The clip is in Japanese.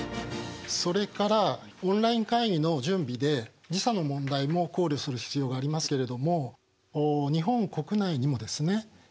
それからオンライン会議の準備で時差の問題も考慮する必要がありますけれども日本国内にもですね